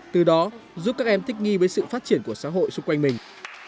từ đó giúp các em thích nghi với sự phát triển của xã hội xung quanh mình